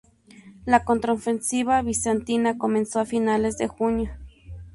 La contraofensiva bizantina comenzó a finales de junio.